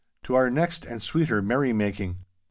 To our next and sweeter merrymaking!